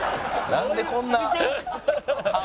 なんでこんな顔」